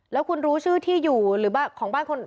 แล้วคุณรู้ชื่อที่อยู่หรือของบ้านคน